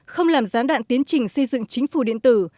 không làm gián đoạn tiến trình xây dựng chính phủ điện tử